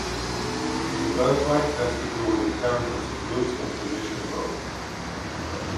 The birthright has to do with inheritance of goods and position both.